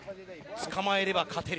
捕まえれば勝てる。